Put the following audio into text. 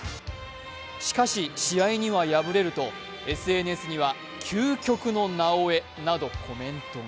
しかし試合には敗れると、ＳＮＳには究極のなおエなど、コメントが。